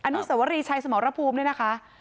อนุสวรีชัยสมรภูมิเนี่ยนะคะ